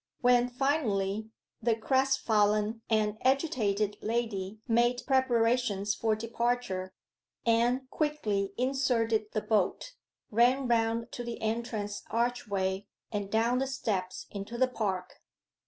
When, finally, the crestfallen and agitated lady made preparations for departure, Anne quickly inserted the bolt, ran round to the entrance archway, and down the steps into the park.